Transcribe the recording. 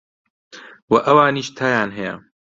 وە ئەوانیش تایان هەیە